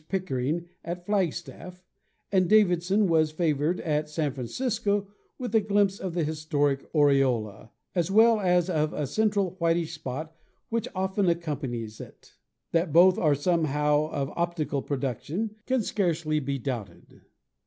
Pickering at Flagstaff; and Davidson was favored at San Francisco with glimpses of the historic aureola, as well as of a cen tral whitish spot which often accompanies it. That both are somehow of optical production can scarcely be doubted."